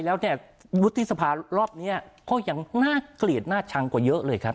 แล้วเนี่ยวุฒิสภารอบนี้ก็ยังน่าเกลียดน่าชังกว่าเยอะเลยครับ